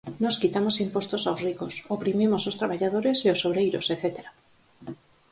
Nós quitamos impostos aos ricos, oprimimos os traballadores e os obreiros etcétera.